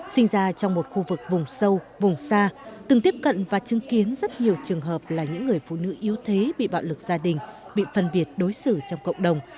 sinh ra trong một khu vực vùng sâu vùng xa từng tiếp cận và chứng kiến rất nhiều trường hợp là những người phụ nữ yếu thế bị bạo lực gia đình bị phân biệt đối xử trong cộng đồng